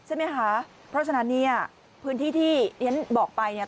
ใช่ไหมคะเพราะฉะนั้นเนี่ยพื้นที่ที่เรียนบอกไปเนี่ย